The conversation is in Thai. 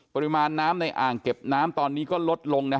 ปริมาณน้ำในอ่างเก็บน้ำตอนนี้ก็ลดลง